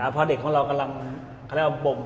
เพราะเด็กของเรากำลัง